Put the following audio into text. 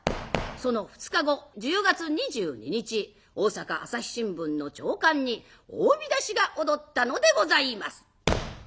その２日後１０月２２日「大阪朝日新聞」の朝刊に大見出しが躍ったのでございます。